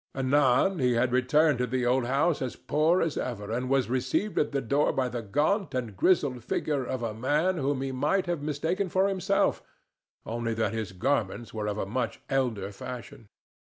Anon he had returned to the old house as poor as ever, and was received at the door by the gaunt and grizzled figure of a man whom he might have mistaken for himself, only that his garments were of a much elder fashion.